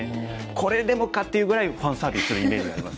これでもかっていうぐらいファンサービスするイメージがあります。